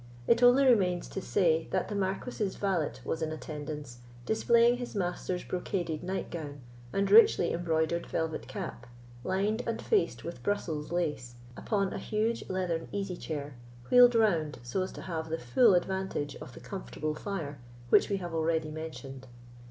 It only remains to say, that the Marquis's valet was in attendance, displaying his master's brocaded nightgown, and richly embroidered velvet cap, lined and faced with Brussels lace, upon a huge leathern easy chair, wheeled round so as to have the full advantage of the comfortable fire which we have already mentioned.